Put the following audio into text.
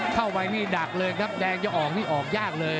เข้าไปนี่ดักเลยครับแดงจะออกนี่ออกยากเลย